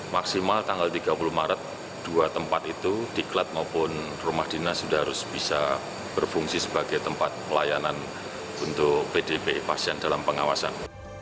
maksimal tanggal tiga puluh maret dua tempat itu diklat maupun rumah dinas sudah harus bisa berfungsi sebagai tempat pelayanan untuk pdp pasien dalam pengawasan